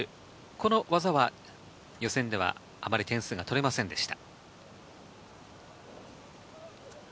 この技は予選ではあまり得点が取れませんでした。